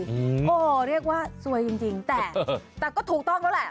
โอ้โหเรียกว่าซวยจริงจริงแต่แต่ก็ถูกต้องแล้วแหละ